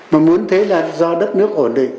mà muốn thế là do đất nước ổn định